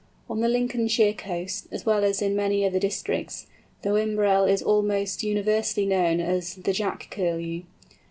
On the Lincolnshire coast, as well as in many other districts, the Whimbrel is almost universally known as the "Jack Curlew."